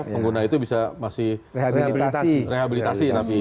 pengguna itu bisa masih rehabilitasi